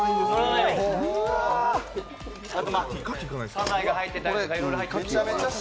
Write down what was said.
サザエが入ってたりとかいろいろ入ってる。